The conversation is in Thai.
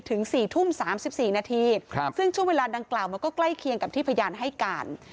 ถึง๔ทุ่ม๓๔นาทีซึ่งช่วงเวลาดังกล่าวมันก็ใกล้เคียงกับที่พยานให้การ